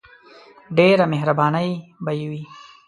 ډیره مهربانی به یی وی.